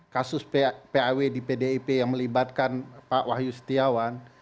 kasus paw di pdip yang melibatkan pak wahyu setiawan